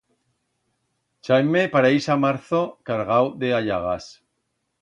Chaime pareix a marzo cargau d'allagas!